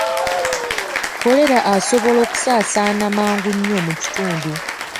Kkolera asobola okusaasaana mangu nnyo mu kitundu